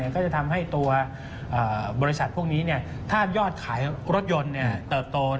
ก็จะทำให้ตัวบริษัทพวกนี้ถ้ายอดขายรถยนต์เติบโต